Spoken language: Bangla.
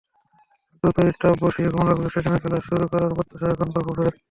দ্রুতই টার্ফ বসিয়ে কমলাপুর স্টেডিয়ামে খেলা শুরু করার প্রত্যাশা এখন বাফুফের।